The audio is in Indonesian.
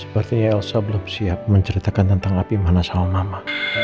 seperti elsa belum siap menceritakan tentang api mana sama mama